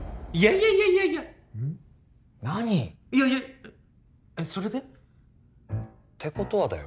いやいやえっそれで？ってことはだよ